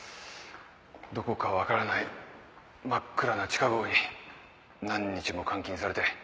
どこか分からない真っ暗な地下壕に何日も監禁されて。